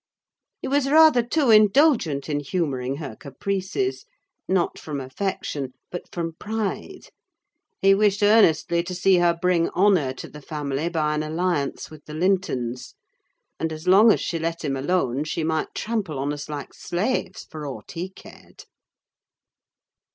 He was rather too indulgent in humouring her caprices; not from affection, but from pride: he wished earnestly to see her bring honour to the family by an alliance with the Lintons, and as long as she let him alone she might trample on us like slaves, for aught he cared!